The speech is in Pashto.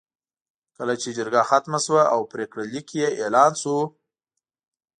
کله چې جرګه ختمه شوه او پرېکړه لیک یې اعلان شو.